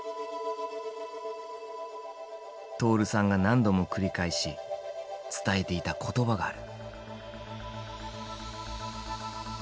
徹さんが何度も繰り返し伝えていた言葉がある。